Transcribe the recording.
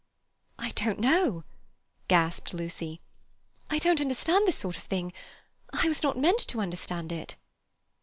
"I don't know," gasped Lucy. "I don't understand this sort of thing. I was not meant to understand it."